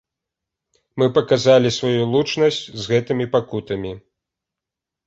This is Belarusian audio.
Мы паказалі сваю лучнасць з гэтымі пакутамі.